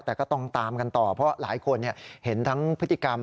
แต่ก็ต้องตามกันต่อเพราะหลายคนเห็นทั้งพฤติกรรม